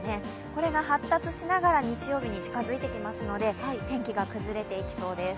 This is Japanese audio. これが発達しながら日曜日に近づいてきますので天気が崩れていきそうです。